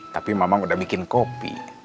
tapi memang udah bikin kopi